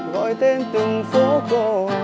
gọi tên từng phố cổ